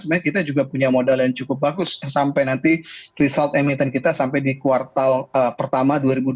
sebenarnya kita juga punya modal yang cukup bagus sampai nanti result emiten kita sampai di kuartal pertama dua ribu dua puluh